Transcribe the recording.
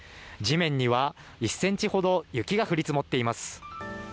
地面には１ｃｍほど雪が降り積もっています。